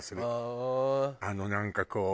あのなんかこう。